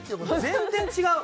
全然違う。